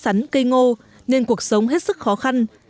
nhưng chỉ biết trồng cây sắn cây ngô nên cuộc sống hết sức khó khăn